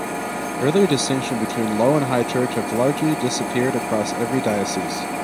Earlier distinctions between Low and High Church have largely disappeared across every diocese.